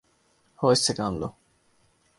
ہوش سے کام لو